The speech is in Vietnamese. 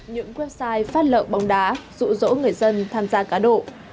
những website phát lợi bóng đá rụ rỗ người dân tham gia cá độ